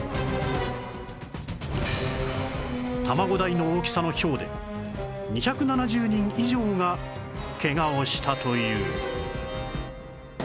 卵大の大きさのひょうで２７０人以上がケガをしたという